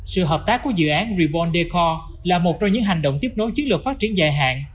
sự hợp tác của dự án reborn decor là một trong những hành động tiếp nối chiến lược phát triển dài hạn